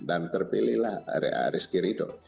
dan terpilih lah rizky ridho